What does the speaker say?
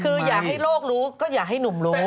คืออยากให้โลกรู้ก็อยากให้หนุ่มรู้